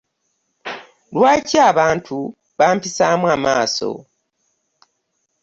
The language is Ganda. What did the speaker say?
Lwaki abantu bampisaamu amaaso?